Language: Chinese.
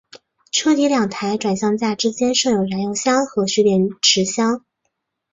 车底两台转向架之间设有燃油箱和蓄电池箱。